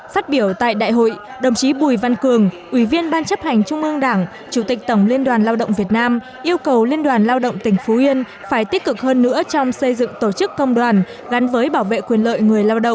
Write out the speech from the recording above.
phát biểu tại đại hội đồng chí bùi văn cường ủy viên ban chấp hành trung ương đảng chủ tịch tổng liên đoàn lao động việt nam yêu cầu liên đoàn lao động tỉnh phú yên phải tích cực hơn nữa trong xây dựng tổ chức công đoàn gắn với bảo vệ quyền lợi người lao động